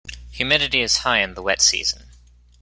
Humidity is high in the wet season.